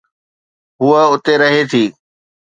هوءَ اتي رهي ٿي.